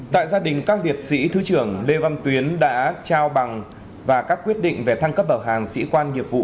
tại gia đình các liệt sĩ thứ trưởng lê văn tuyến đã trao bằng và các quyết định về thăng cấp bậc hàm sĩ quan nghiệp vụ